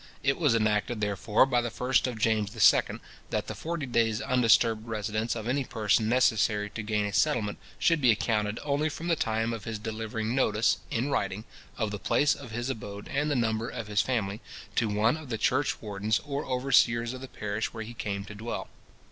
It was enacted, therefore, by the 1st of James II. that the forty days undisturbed residence of any person necessary to gain a settlement, should be accounted only from the time of his delivering notice, in writing, of the place of his abode and the number of his family, to one of the church wardens or overseers of the parish where he came to dwell.